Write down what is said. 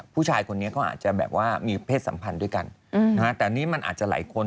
ผู้ชายคนนี้เขาอาจจะแบบว่ามีเพศสัมพันธ์ด้วยกันแต่นี่มันอาจจะหลายคน